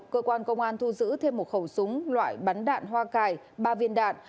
công an thu giữ thêm một khẩu súng loại bắn đạn hoa cải ba viên đạn